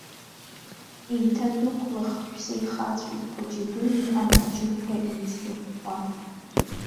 Еиҭадәықәлахт ҳәсеи-хацәеи, хәыҷи-дуи амҳаџьырқәа еицрыхәхәа.